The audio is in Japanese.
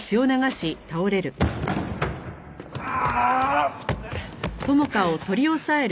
ああ！